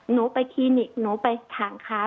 หนูไปคลินิกหนูไปถังค้า